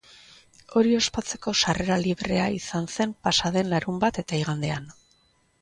Hori ospatzeko sarrera librea izan zen pasa den larunbat eta igandean.